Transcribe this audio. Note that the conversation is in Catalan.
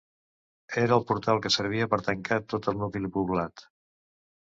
Era el portal que servia per tancar tot el nucli poblat.